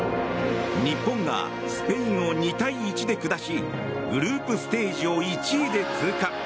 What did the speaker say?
日本がスペインを２対１で下しグループステージを１位で通過。